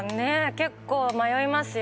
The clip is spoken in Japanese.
結構迷いますよ。